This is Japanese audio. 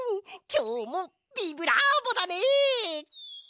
きょうもビブラーボだね！